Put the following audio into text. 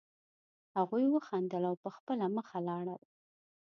هغوی وخندل او په خپله مخه لاړل